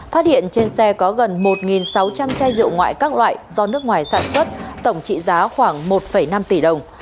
phát hiện trên xe có gần một sáu trăm linh chai rượu ngoại các loại do nước ngoài sản xuất tổng trị giá khoảng một năm tỷ đồng